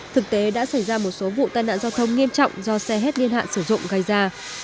thực tế đã xảy ra một số vụ tai nạn giao thông nghiêm trọng do xe hết niên hạn sử dụng gây ra